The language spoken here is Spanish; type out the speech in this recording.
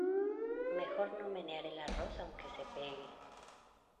Mejor no menear el arroz aunque se pegue.